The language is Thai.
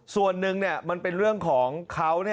ส่วนหนึ่งมันเป็นเรื่องของเขา